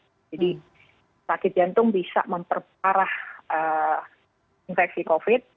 jadi sakit jantung bisa memperparah infeksi covid sembilan belas